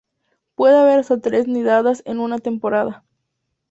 Puede haber hasta tres nidadas en una temporada.